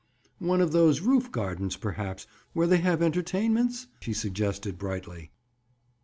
"One of those roof gardens, perhaps, where they have entertainments?" she suggested brightly.